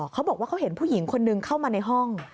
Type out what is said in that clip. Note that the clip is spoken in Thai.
เขาบอกว่าเขาเห็นผู้หญิงคนนึงเข้ามาในห้อง